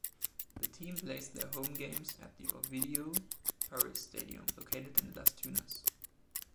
The team plays their home games at the Ovidio Torres stadium located in Las Tunas.